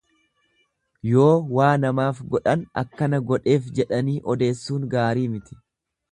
Yoo waa namaaf godhan akkana godheef jedhanii odeessuun gaarii miti.